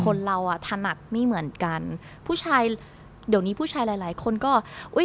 คนเราอ่ะถนัดไม่เหมือนกันผู้ชายเดี๋ยวนี้ผู้ชายหลายหลายคนก็อุ้ย